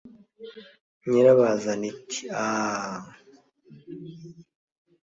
nyirabazana iti aaa